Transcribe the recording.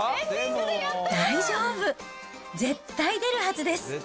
大丈夫、絶対出るはずです。